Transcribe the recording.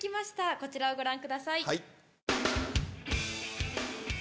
こちらをご覧ください。